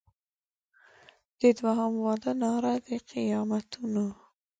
د دوهم واده ناره د قیامتونو